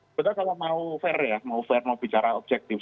sebenarnya kalau mau fair ya mau fair mau bicara objektif